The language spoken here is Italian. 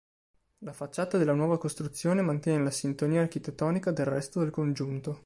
La facciata della nuova costruzione mantiene la sintonia architettonica del resto del congiunto.